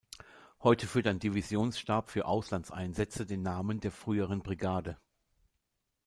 Heute führt ein Divisionsstab für Auslandseinsätze den Namen der früheren Brigade.